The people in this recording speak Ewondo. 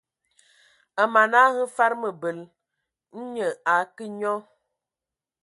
A mana hm fad mǝbǝl, nnye a akǝ nyɔ.